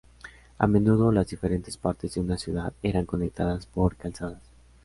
A menudo las diferentes partes de una ciudad eran conectadas por calzadas.